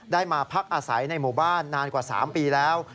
มาพักอาศัยในหมู่บ้านนานกว่า๓ปีแล้ว